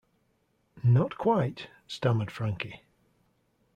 "Not quite," stammered Frankie.